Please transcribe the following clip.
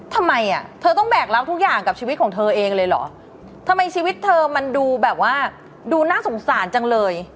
ทำไมชีวิตเธอมันดูแบบว่าดูน่าสงสารจังเลย